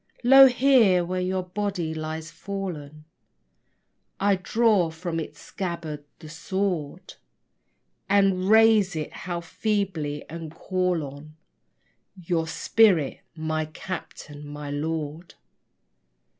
Lo here, where your body lies fallen, I draw from its scabbard the sword And raise it how feebly! and call on Your spirit, my captain, my lord.